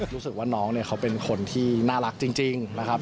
รู้สึกว่าน้องเนี่ยเขาเป็นคนที่น่ารักจริงนะครับ